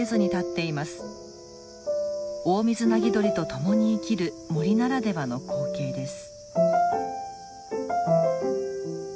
オオミズナギドリと共に生きる森ならではの光景です。